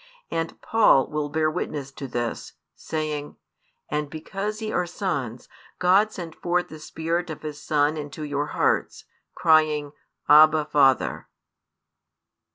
And Paul will bear witness to this, saying: And because ye are sons, God sent forth the Spirit of His Son into your hearts, crying, Abba, Father.